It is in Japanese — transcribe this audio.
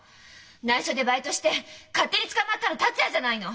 ないしょでバイトして勝手に捕まったの達也じゃないの。